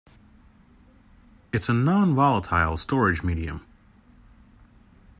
It's a non-volatile storage medium.